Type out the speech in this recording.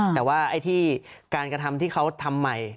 แต่ว่าไอ้ที่การกระทำที่เขาทำใหม่